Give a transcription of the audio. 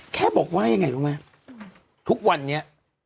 แค่บอกว่ายังไงรู้ไหมทุกวันนี้